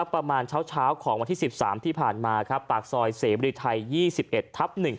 ประมาณเช้าของวันที่๑๓ที่ผ่านมาครับปากซอยเสมริไทย๒๑ทับ๑